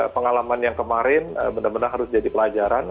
pengalaman yang kemarin benar benar harus jadi pelajaran